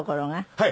はい。